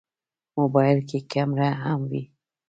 موبایل کې کیمره هم وي.